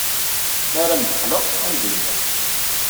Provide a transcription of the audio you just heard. Mi ara d-qqleɣ, ad am-d-iniɣ.